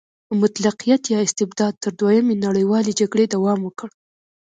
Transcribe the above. مطلقیت یا استبداد تر دویمې نړیوالې جګړې دوام وکړ.